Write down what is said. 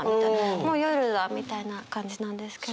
もう夜だみたいな感じなんですけど。